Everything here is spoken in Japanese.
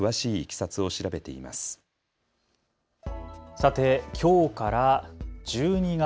さて、きょうから１２月。